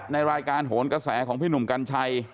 ในรายการโหนกระแสของพี่หนุ่มกัญชัย